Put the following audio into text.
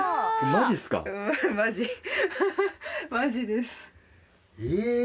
マジマジですえ